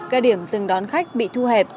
cái điểm dừng đón khách bị thu hẹp